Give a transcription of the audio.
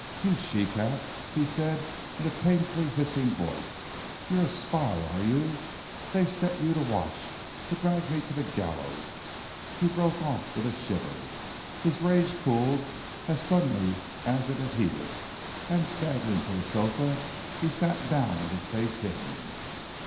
"You she cat," he said in a painfully hissing voice, "you're a spy, are you? They've set you to watch to drag me to the gallows " he broke off with a shiver. His rage cooled as suddenly as it had heated, and staggering to the sofa he sat down with his face hidden.